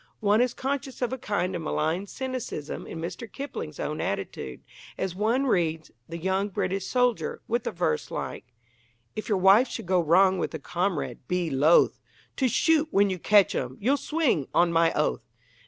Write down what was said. One is conscious of a kind of malign cynicism in Mr. Kipling's own attitude, as one reads The Young British Soldier, with a verse like If your wife should go wrong with a comrade, be loth To shoot when you catch 'em you'll swing, on my oath!